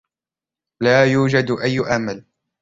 لا يوجد أي أمل.